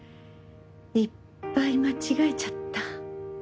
いっぱい間違えちゃった。